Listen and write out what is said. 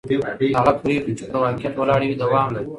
هغه پرېکړې چې پر واقعیت ولاړې وي دوام لري